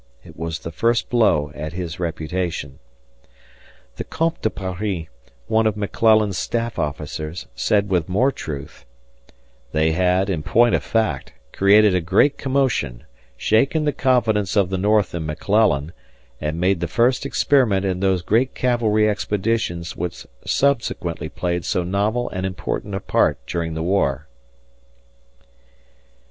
It was the first blow at his reputation. The Comte de Paris, one of McClellan's staff officers, said with more truth, "They had, in point of fact, created a great commotion, shaken the confidence of the North in McClellan, and made the first experiment in those great cavalry expeditions which subsequently played so novel and important a part during the war."